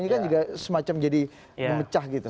ini kan juga semacam jadi memecah gitu